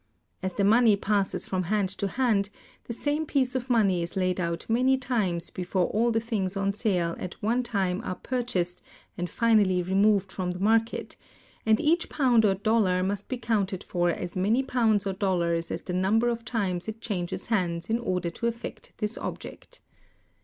As the money passes from hand to hand, the same piece of money is laid out many times before all the things on sale at one time are purchased and finally removed from the market; and each pound or dollar must be counted for as many pounds or dollars as the number of times it changes hands in order to effect this object.